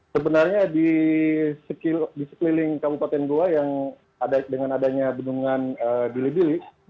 sebenarnya di sekeliling kabupaten goa yang dengan adanya benungan dili dili